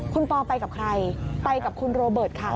คุณปอไปกับใครไปกับคุณโรเบิร์ตค่ะ